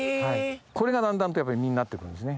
これがだんだんと実になって来るんですね。